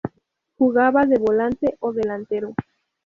Jugaba de volante o delantero.